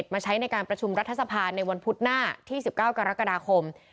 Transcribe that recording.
มาใช้ในการประชุมรัฐสภาในวันพุธหน้าที่๑๙กรกฎาคม